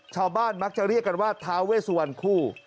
ชาวบ้านมักจะเรียกกันว่าท้าเวสวันคู่